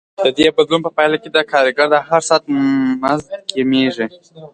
د دې بدلون په پایله کې د کارګر د هر ساعت مزد کمېږي